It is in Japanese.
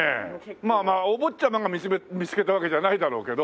まあお坊ちゃまが見つけたわけじゃないだろうけど。